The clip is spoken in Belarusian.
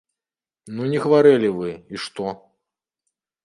Ну не хварэлі вы, і што?